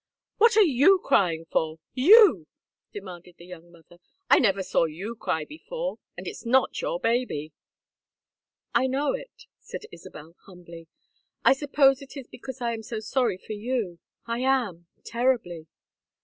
"What are you crying for? You?" demanded the young mother. "I never saw you cry before. And it's not your baby." "I know it," said Isabel, humbly. "I suppose it is because I am so sorry for you. I am terribly."